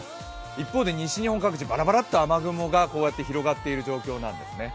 一方で西日本各地ばらばらっと雨雲がこうやって広がっている状況なんですね。